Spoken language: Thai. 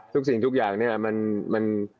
ทุกสิ่งทุกอย่างเนี่ย